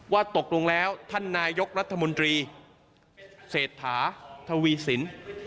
ว่าตกลงแล้วท่านนายกรัฐมนตรีเศรษฐาทวีสิน